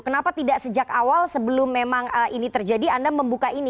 kenapa tidak sejak awal sebelum memang ini terjadi anda membuka ini